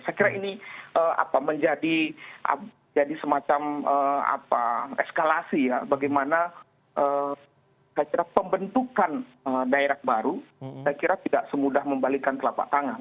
saya kira ini menjadi semacam eskalasi ya bagaimana saya kira pembentukan daerah baru saya kira tidak semudah membalikan telapak tangan